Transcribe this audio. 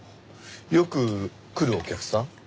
よく来るお客さん？